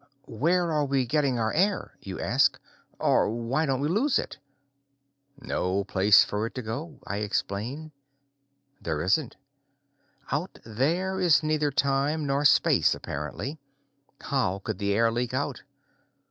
"Where are we getting our air?" you ask. "Or why don't we lose it?" "No place for it to go," I explain. There isn't. Out there is neither time nor space, apparently. How could the air leak out?